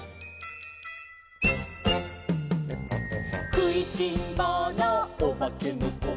「くいしんぼうのおばけのこ」